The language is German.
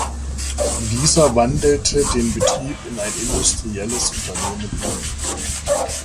Dieser wandelte den Betrieb in ein industrielles Unternehmen um.